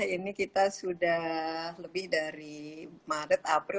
ini kita sudah lebih dari maret april